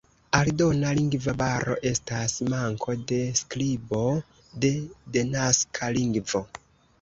Aldona lingva baro estas manko de skribo de denaska lingvo.